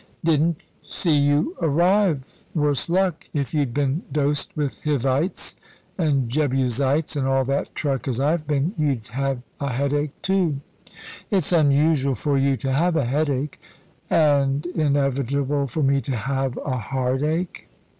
"Didn't see you arrive, worse luck. If you'd been dosed with Hivites and Jebusites and all that truck, as I've been, you'd have a headache, too." "It's unusual for you to have a headache." "And inevitable for me to have a heartache."